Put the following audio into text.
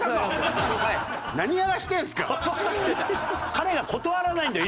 彼が断らないんだよ